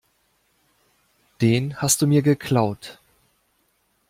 Den hast du mir geklaut.